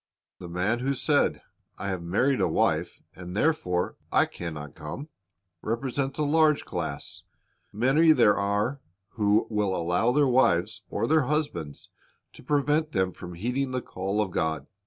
The man who said, 'T have married a wife, and therefore I can not come," represents a large class. Many there are who allow their wives or their husbands to prevent them from heeding the call of God.